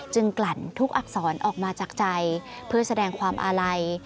กลั่นทุกอักษรออกมาจากใจเพื่อแสดงความอาลัย